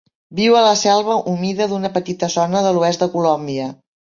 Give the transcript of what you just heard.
Viu a la selva humida d'una petita zona de l'oest de Colòmbia.